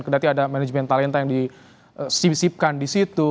berarti ada manajemen talenta yang disipsipkan di situ